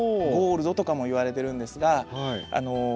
ゴールドとかもいわれてるんですが。